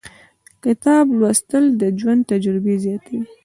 • کتاب لوستل، د ژوند تجربې زیاتوي.